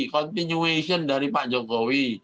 continuation dari pak jokowi